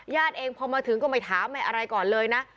ญาติเองพอมาถึงก็ไปถามอะไรก่อนเลยนะ